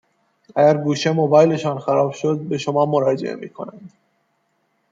اگه گوشی موبایلشان خراب شد به شما مراجعه می کنند،